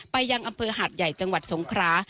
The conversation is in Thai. ยังอำเภอหาดใหญ่จังหวัดสงครา